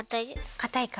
かたいか。